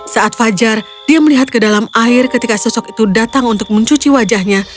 saat fajar dia melihat ke dalam air ketika sosok itu datang untuk mencuci wajahnya